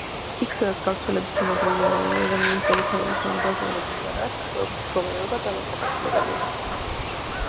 იქ სადაც გავრცელების ბუნებრივი არეალი ადამიანის ზემოქმედების გამო დაზიანებული არაა, სახეობის მდგომარეობა დამაკმაყოფილებელია.